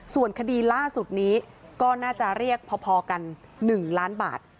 ส่วนคดีล่าสุดนี้ก็น่าจะเรียกพอกัน๑ล้านบาท